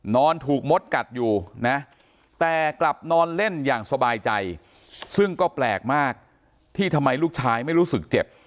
นอนถูกมดกัดอยู่นะแต่กลับนอนเล่นอย่างสบายใจซึ่งก็แปลกมากที่ทำไมลูกชายไม่รู้สึกเจ็บ